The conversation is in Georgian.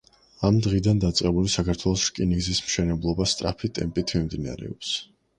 ამ დღიდან დაწყებული, საქართველოს რკინიგზის მშენებლობა სწრაფი ტემპით მიმდინარეობს.